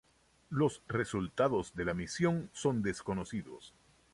Los resultados de la misión son desconocidos.